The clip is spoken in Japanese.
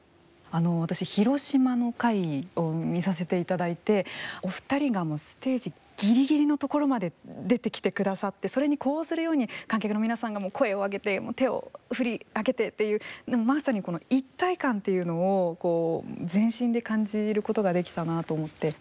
私、広島の回を見させていただいて、お二人がステージぎりぎりのところまで出てきてくださってそれに呼応するように観客の皆さんが声を上げて手を振り上げてっていうまさに一体感というのを全身で感じることができたなと思って。